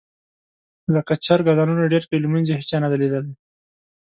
لکه چرګ اذانونه ډېر کوي لمونځ یې هېچا نه دي لیدلي.